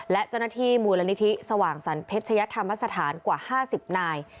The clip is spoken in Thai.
และเจ้าหน้าที่มูลนิธิสว่างสรรเพชยธรรมสถานกว่า๕๐นาย